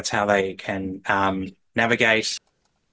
itulah cara mereka bisa berjalan